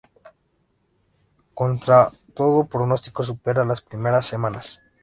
Contra todo pronóstico supera las primeras semanas.